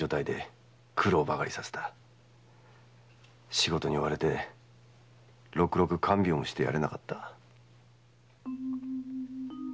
仕事に追われてろくろく看病もしてやれなかった。